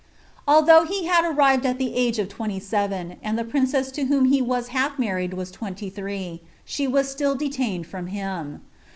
Although he had arrived at the age of twenty seven, and incesB to whom he was half married was twenty three, she was I detained from hJm.